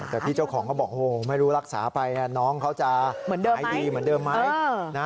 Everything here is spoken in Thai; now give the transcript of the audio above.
แต่พี่เจ้าของเขาบอกไม่รู้รักษาไปน้องเขาจะหายดีเหมือนเดิมไหม